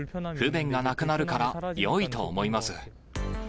不便がなくなるから、よいと思います。